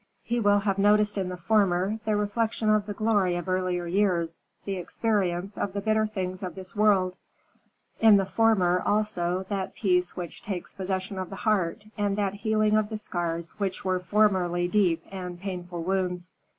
He will have noticed in the former, the reflection of the glory of earlier years, the experience of the bitter things of this world; in the former, also, that peace which takes possession of the heart, and that healing of the scars which were formerly deep and painful wounds.